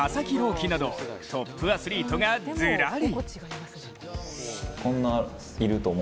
希などトップアスリートがずらり。